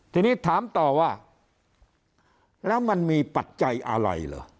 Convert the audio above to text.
ทีนี้ถามต่อว่าแล้วมันมีปัจจัยอะไรเหรอ